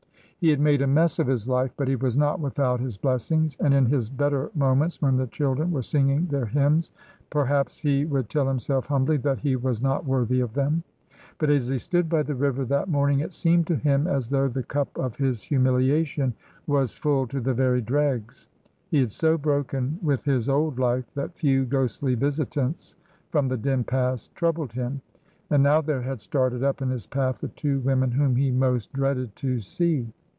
He had made a mess of his life, but he was not without his blessings; and in his better moments, when the children were singing their hymns, perhaps he would tell himself humbly that he was not worthy of them. But as he stood by the river that morning, it seemed to him as though the cup of his humiliation was full to the very dregs. He had so broken with his old life that few ghostly visitants from the dim past troubled him; and now there had started up in his path the two women whom he most dreaded to see.